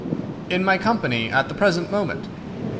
"In my company at the present moment."